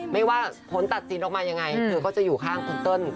ไม่ว่าผลตัดสินออกมายังไงเธอก็จะอยู่ข้างคุณเติ้ล